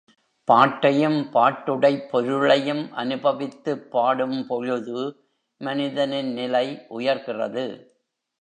பாட்டையும் பாட்டுடைப் பொருளையும் அனுபவித்துப் பாடும்பொழுது மனிதனின் நிலை உயர் கிறது.